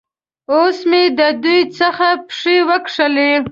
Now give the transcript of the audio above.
اوس مې د دوی څخه پښې وکښلې.